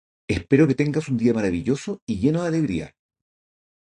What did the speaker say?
Espero que tengas un día maravilloso y lleno de alegría.